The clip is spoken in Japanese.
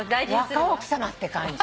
若奥さまって感じ。